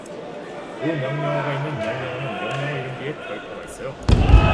부명령어가 있는 명령어는 명령어 이름 뒤에 별표가 있어요.